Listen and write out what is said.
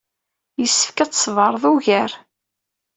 Yessefk ad tṣebreḍ ugar.